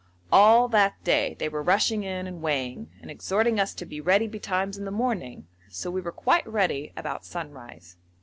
All that day they were rushing in and weighing, and exhorting us to be ready betimes in the morning, so we were quite ready about sunrise.